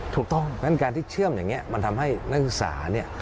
เพราะฉะนั้นการที่เชื่อมอย่างนี้มันทำให้นักศึกษา